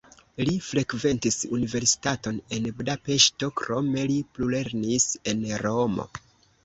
Li frekventis universitaton en Budapeŝto, krome li plulernis en Romo.